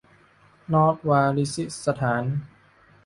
นอร์ทวาริซิสถาน